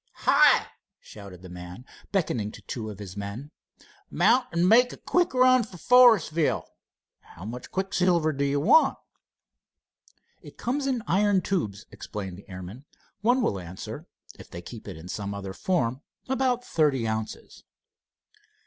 "Hi!" shouted the man, beckoning to two of his men. "Mount and make a quick run for Forestville. How much quicksilver do you want?" "It comes in iron tubes," explained the airman. "One will answer. If they keep it in some other form, about thirty ounces."